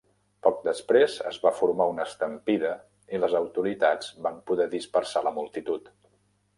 Poc després, es va formar una estampida i les autoritats van poder dispersar la multitud.